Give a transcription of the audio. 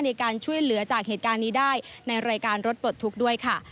ในการช่วยเหลือจากเหตุการณ์นี้ได้ในรายการรถปลดทุกข์ด้วยค่ะ